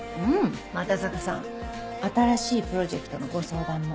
又坂さん新しいプロジェクトのご相談も。